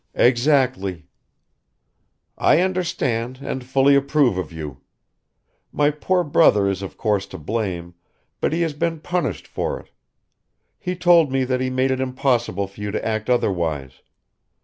"Exactly." "I understand and fully approve of you. My poor brother is of course to blame; but he has been punished for it. He told me that he made it impossible for you to act otherwise.